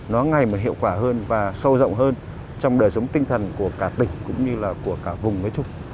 nó ngày mà hiệu quả hơn và sâu rộng hơn trong đời sống tinh thần của cả tỉnh cũng như là của cả vùng mới chung